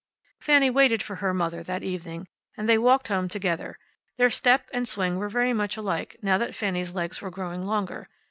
Fanny waited for her mother that evening, and they walked home together. Their step and swing were very much alike, now that Fanny's legs were growing longer.